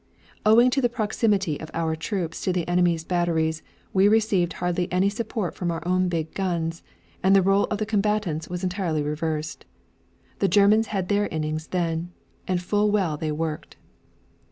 Owing to the proximity of our troops to the enemy's batteries, we received hardly any support from our own big guns, and the rôle of the combatants was entirely reversed. The Germans had their innings then, and full well they worked.